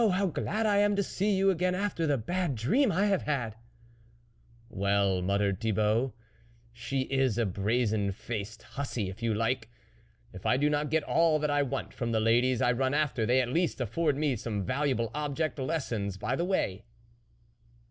how glad I am to see you again after the bad dream I have had !"" Well !" muttered Thibault, " she is a brazen faced huzzy, if you like ! if I do not get all that I want from the ladies I run after, they, at least, afford me some valuable object lessons by the way